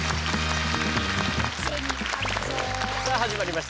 さあ始まりました